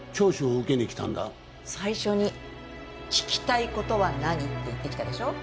最初に「聞きたい事は何？」って言ってきたでしょ？